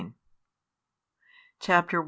7 CHAPTER I.